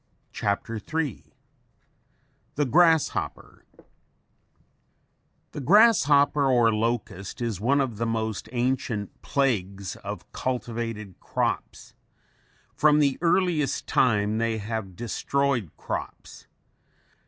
CHAPTER III THE GRASSHOPPER The grasshopper or locust is one of the most ancient plagues of cultivated crops. From the earliest time they have destroyed crops.